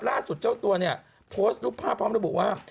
เจ้าตัวเนี่ยโพสต์รูปภาพพร้อมระบุว่า